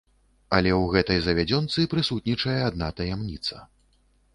Але ў гэтай завядзёнцы прысутнічае адна таямніца.